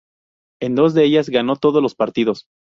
En dos de ellas ganó todos los partidos.